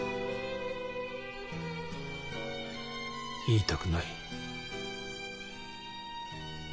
言いたくない。